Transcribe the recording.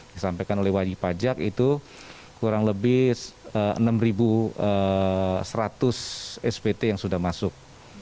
disampaikan oleh wajib pajak itu kurang lebih enam seratus spt yang sudah masuk